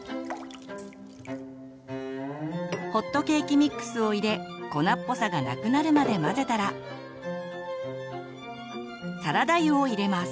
ホットケーキミックスを入れ粉っぽさがなくなるまで混ぜたらサラダ油を入れます。